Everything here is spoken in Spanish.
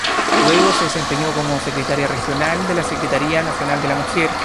Luego se desempeñó como secretaria regional de la Secretaría Nacional de la Mujer.